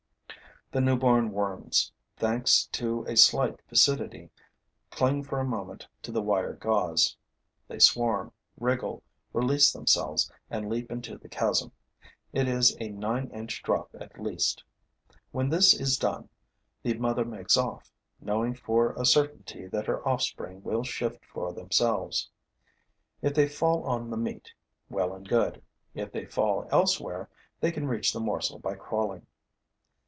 The newborn worms, thanks to a slight viscidity, cling for a moment to the wire gauze; they swarm, wriggle, release themselves and leap into the chasm. It is a nine inch drop at least. When this is done, the mother makes off, knowing for a certainty that her offspring will shift for themselves. If they fall on the meat, well and good; if they fall elsewhere, they can reach the morsel by crawling.